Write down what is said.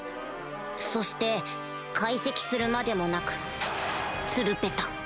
そして解析するまでもなくツルペタ。